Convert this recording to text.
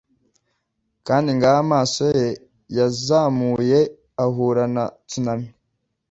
Kandi ngaho amaso ye yazamuye ahura na tsunami